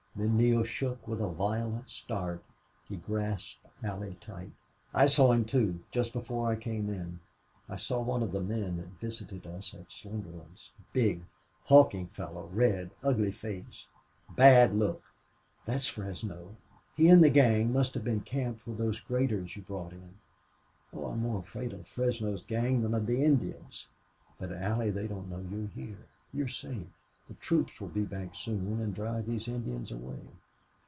Then Neale shook with a violent start. He grasped Allie tight. "I saw him, too. Just before I came in. I saw one of the men that visited us at Slingerland's.... Big, hulking fellow red, ugly face bad look." "That's Fresno. He and the gang must have been camped with those graders you brought here. Oh, I'm more afraid of Fresno's gang than of the Indians." "But Allie they don't know you're here. You're safe. The troops will be back soon, and drive these Indians away."